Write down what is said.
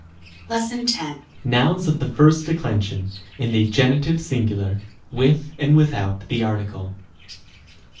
§10. Nouns of the first declension, in the genitive sin gular, with and without the article.